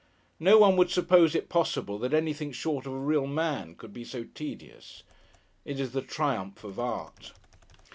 No one would suppose it possible that anything short of a real man could be so tedious. It is the triumph of art.